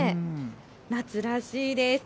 夏らしいです。